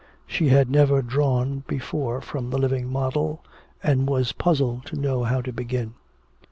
She had never drawn before from the living model, and was puzzled to know how to begin.